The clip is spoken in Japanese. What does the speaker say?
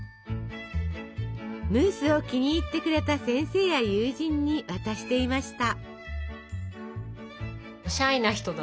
ムースを気に入ってくれた先生や友人に渡していました。